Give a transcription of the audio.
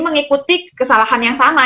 mengikuti kesalahan yang sama